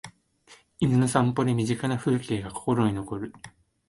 犬の散歩で身近な風景が心に残る